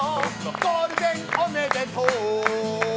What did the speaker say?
ゴールデンおめでとう